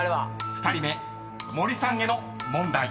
［２人目森さんへの問題］